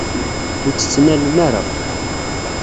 Ur tt-ttnalen ara.